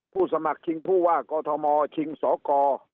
สมัครชิงผู้ว่ากอทมชิงสก